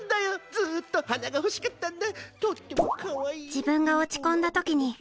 ずっと鼻が欲しかったんだ！